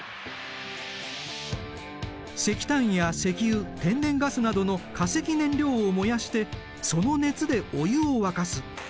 石炭や石油天然ガスなどの化石燃料を燃やしてその熱でお湯を沸かす。